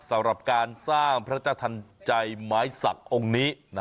สำหรับการสร้างพระเจ้าทันใจไม้ศักดิ์องค์นี้